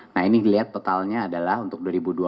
nah ini dilihat totalnya adalah untuk dua ribu dua puluh